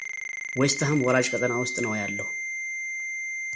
ዌስት ሃም ወራጅ ቀጠና ውስጥ ነው ያለው።